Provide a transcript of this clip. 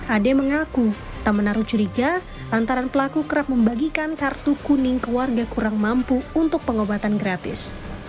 ade mengaku tak menaruh curiga lantaran pelaku kerap membagikan kartu kuning ke warga kurang mampu untuk pengobatan gratis